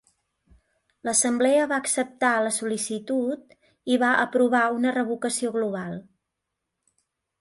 L'assemblea va acceptar la sol·licitud i va aprovar una revocació global.